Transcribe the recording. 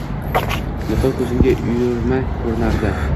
Nuqul ko‘ziga uyurma ko‘rinardi